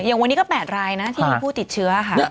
อย่างวันนี้ก็๘รายนะที่มีผู้ติดเชื้อค่ะ